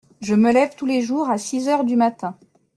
Je me lève tous les jours à six heures du matin.